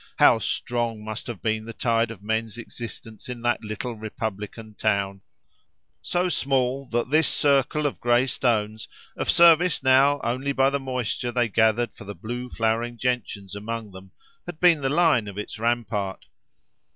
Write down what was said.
How strong must have been the tide of men's existence in that little republican town, so small that this circle of gray stones, of service now only by the moisture they gathered for the blue flowering gentians among them, had been the line of its rampart!